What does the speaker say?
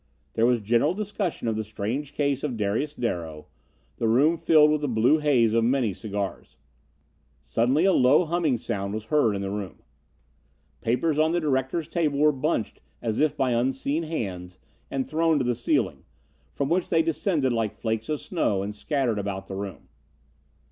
There was general discussion of the strange case of Darius Darrow; the room filled with the blue haze of many cigars. Suddenly a low, humming sound was heard in the room. Papers on the directors' table were bunched as if by unseen hands, and thrown to the ceiling, from which they descended like flakes of snow and scattered about the room.